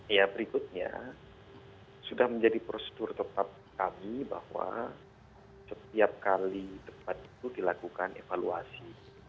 ya berikutnya sudah menjadi prosedur tetap kami bahwa setiap kali debat itu dilakukan evaluasi